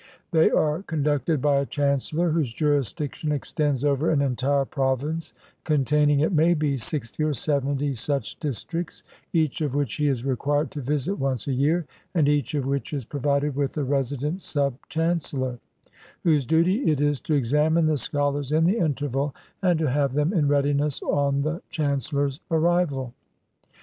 They are conducted by a chancellor, whose jurisdiction extends over an entire province, containing, it may be, sixty or seventy such districts, each of which he is required to visit once a year, and each of which is provided with a resident sub chancellor, whose duty it is to examine the scholars in the interval, and to have them in readiness on the chancellor's arrival.